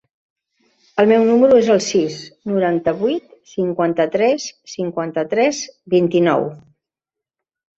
El meu número es el sis, noranta-vuit, cinquanta-tres, cinquanta-tres, vint-i-nou.